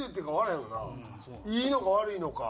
いいのか悪いのか。